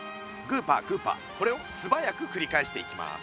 グーパーグーパーこれをすばやくくりかえしていきます。